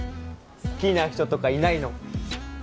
好きな人とかいないの？